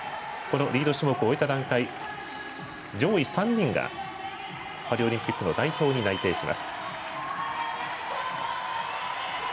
リード種目を終えた段階上位３人がパリオリンピックの代表に内定します。